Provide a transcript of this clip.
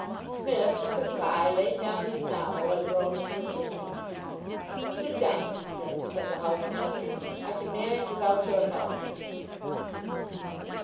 Psmith, with a sigh, laid down his novel, and rose to assist him. "Sit down, Smith," said the housemaster. "I can manage without your help."